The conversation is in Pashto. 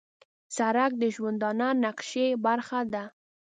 سړک د ژوندانه نقشې برخه ده.